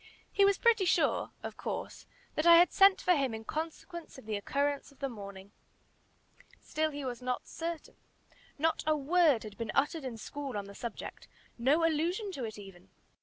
He was pretty sure, of course, that I had sent for him in consequence of the occurrence of the morning. Still he was not certain. Not a word had been uttered in school on the subject no allusion to it even.